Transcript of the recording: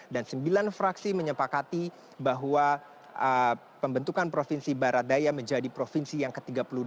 sembilan fraksi menyepakati bahwa pembentukan provinsi barat daya menjadi provinsi yang ke tiga puluh dua